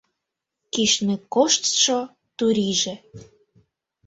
Кӱшнӧ коштшо турийже